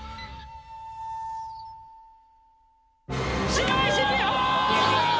白石美帆！